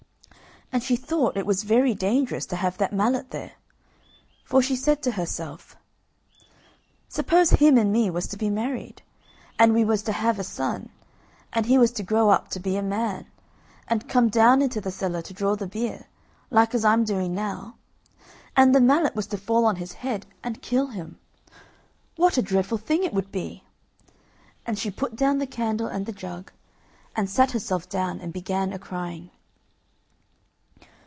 And she thought it was very dangerous to have that mallet there, for she said to herself: "Suppose him and me was to be married, and we was to have a son, and he was to grow up to be a man, and come down into the cellar to draw the beer, like as I'm doing now, and the mallet was to fall on his head and kill him, what a dreadful thing it would be!" And she put down the candle and the jug, and sat herself down and began a crying.